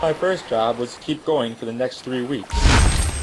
My first job was to keep going for the next three weeks.